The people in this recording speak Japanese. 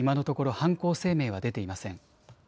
犯行声明は出ていません。